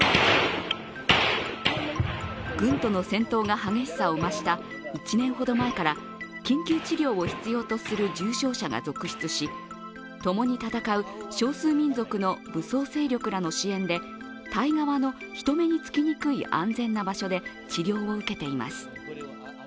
軍との戦闘が激しさを増した１年ほど前から緊急治療を必要とする重傷者が続出し共に戦う少数民族の武装勢力らの支援でタイ側の人目につきにくい安全な場所で治療を受けています。